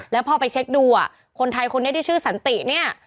แล้วพอไปเช็คดูคนไทยคนนี้ที่ชื่อสันติเนี่ย